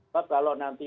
karena kalau nanti